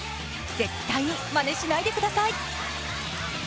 絶対にマネしないでください。